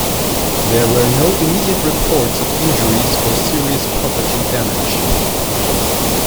There were no immediate reports of injuries or serious property damage.